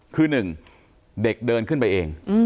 คือ๑เด็กเดินขึ้นไปเอง